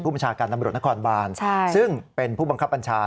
บัญชาการตำรวจนครบานซึ่งเป็นผู้บังคับบัญชา